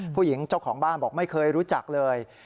ผู้หญิงเจ้าของบ้านบอกไม่เคยรู้จักเลย